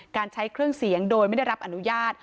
การใช้เครื่องเสียงโดยไม่ได้รับอนุญาต